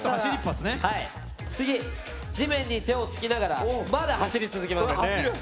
次、地面に手をつきながらまだ、走り続けます。